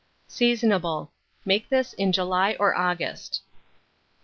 Seasonable. Make this in July or August.